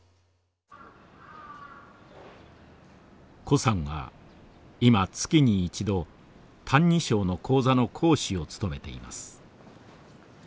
高さんは今月に一度「歎異抄」の講座の講師を務めています。